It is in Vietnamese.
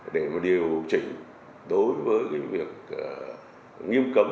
để mà điều chỉnh đối với cái việc nghiêm cấm